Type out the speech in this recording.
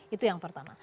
itu yang pertama